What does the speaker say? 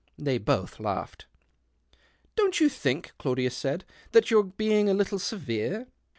They both laughed. " Don't you think," Claudius said, " that >7ou're being a little severe